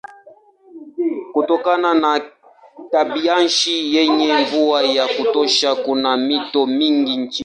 Kutokana na tabianchi yenye mvua ya kutosha kuna mito mingi nchini.